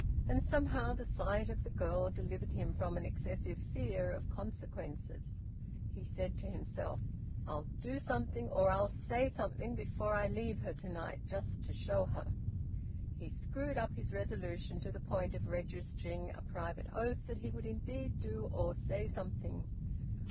And somehow the sight of the girl delivered him from an excessive fear of consequences. He said to himself, "I'll do something or I'll say something, before I leave her to night, just to show her!" He screwed up his resolution to the point of registering a private oath that he would indeed do or say something.